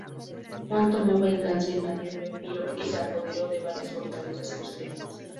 Juan tomó venganza invadiendo Epiro y se apoderó de varias fortalezas costeras.